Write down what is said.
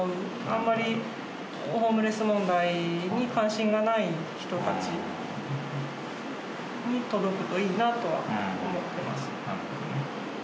あんまりホームレス問題に関心がない人たちに届くといいなとは思ってます。